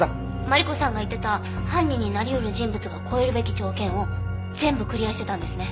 マリコさんが言ってた犯人になり得る人物が越えるべき条件を全部クリアしてたんですね。